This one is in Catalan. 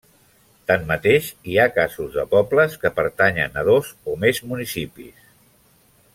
Tanmateix, hi ha casos de pobles que pertanyen a dos o més municipis.